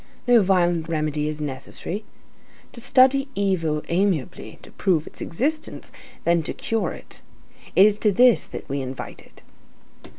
No violent remedy is necessary. To study evil amiably, to prove its existence, then to cure it. It is to this that we invite it.